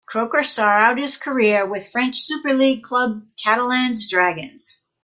Croker saw out his career with French Super League club Catalans Dragons.